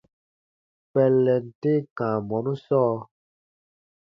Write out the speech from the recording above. Kpɛllɛn tem kãa bɔnu sɔɔ.